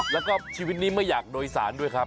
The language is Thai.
แล้วก็ชีวิตนี้ไม่อยากโดยสารด้วยครับ